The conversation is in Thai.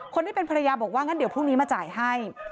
คนที่เป็นภรรยาบอกว่างั้นเดี๋ยวพรุ่งนี้มาจ่ายให้